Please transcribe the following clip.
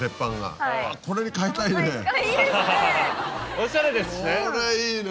おしゃれですしね。